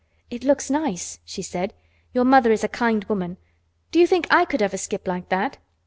"It looks nice," she said. "Your mother is a kind woman. Do you think I could ever skip like that?"